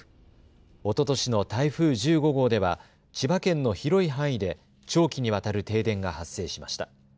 おととしの台風１５号では千葉県の広い範囲で長期にわたる停電が発生しました。